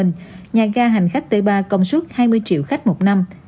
nhà ga hành khách t ba công suất hai mươi triệu khách một năm